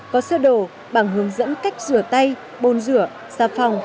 có sơ đồ bằng hướng dẫn cách rửa tay bồn rửa xà phòng